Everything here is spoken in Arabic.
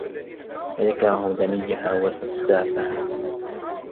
وَيَكْرَهُ دَنِيَّهَا وَسَفْسَافَهَا